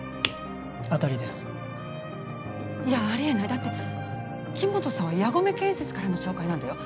当たりですいやありえないだって木元さんは矢込建設からの紹介なんだよ